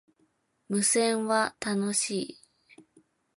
無線は、楽しい